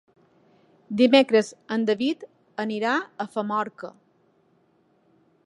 Dimecres en David anirà a Famorca.